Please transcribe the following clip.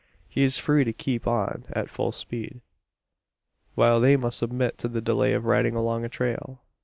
He is free to keep on at full speed; while they must submit to the delay of riding along a trail.